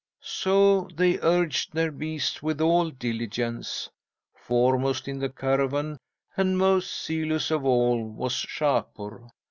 "'So they urged their beasts with all diligence. Foremost in the caravan, and most zealous of all, was Shapur.